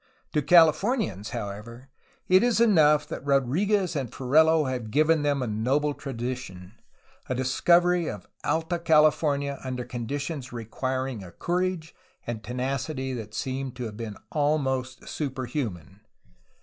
To Calif ornians, however, it is enough that Rodriguez and Ferrelo have given them a noble tradition, — of a discovery of Alta Cali fornia under conditions requiring a courage and tenacity that seem to have been almost superhuman.